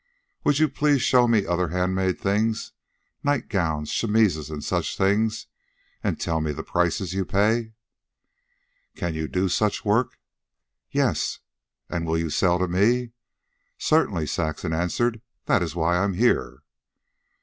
"Would you please show me other hand made things nightgowns, chemises, and such things, and tell me the prices you pay?" "Can you do such work?" "Yes." "And will you sell to me?" "Certainly," Saxon answered. "That is why I am here."